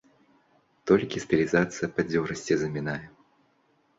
Толькі стылізацыя бадзёрасці замінае.